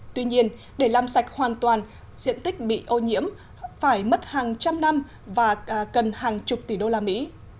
tuy nhiên để làm sạch hoàn toàn diện tích bị ô nhiễm phải mất hàng trăm năm và cần hàng chục tỷ đô la mỹ